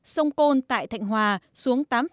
sông côn tại thạnh hòa xuống tám năm m